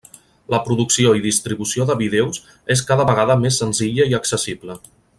La producció i distribució de vídeos és cada vegada més senzilla i accessible.